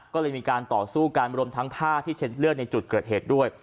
ก็เลยมีการต่อสู้กันรวมทั้งผ้าที่เช็ดเลือดในจุดเกิดเหตุด้วย